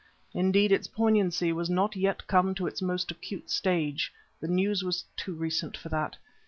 Indeed, its poignancy was not yet come to its most acute stage; the news was too recent for that.